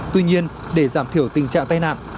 tuy nhiên để giảm thiểu tình trạng tai nạn